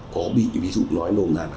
có bị ví dụ nói nôn là